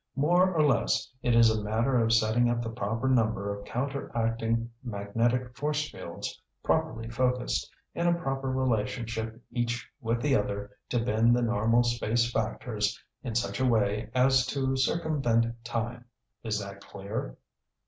More or less, it is a matter of setting up the proper number of counteracting magnetic force fields, properly focused, in a proper relationship each with the other to bend the normal space factors in such a way as to circumvent time. Is that clear?"